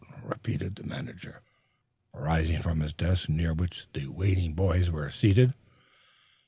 repeated the manager, rising from his desk, near which the waiting boys were seated.